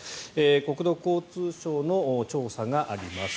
国土交通省の調査があります。